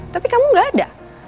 tapi kamu nggak ada